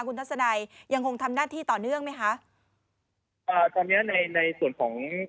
คุณทัศนัยยังคงทำหน้าที่ต่อเนื่องไหมคะอ่าตอนเนี้ยในในส่วนของ